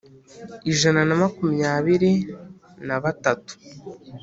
ijana na makumyabiri na batatu